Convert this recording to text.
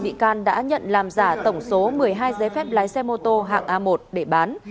bị can đã nhận làm giả tổng số một mươi hai giấy phép lái xe mô tô hạng a một để bán